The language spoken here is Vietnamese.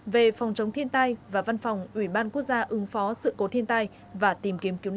về phòng chống thiên tai và văn phòng ủy ban quốc gia ứng phó sự cố thiên tai và tìm kiếm cứu nạn